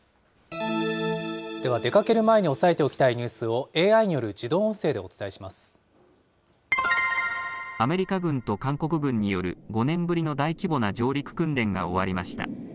では出かける前に押さえておきたいニュースを、ＡＩによる自アメリカ軍と韓国軍による５年ぶりの大規模な上陸訓練が終わりました。